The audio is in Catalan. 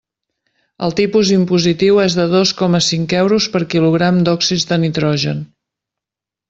El tipus impositiu és de dos coma cinc euros per quilogram d'òxids de nitrogen.